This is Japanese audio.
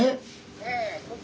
ええ。